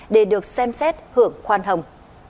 để được xem xét hưởng khoan hồng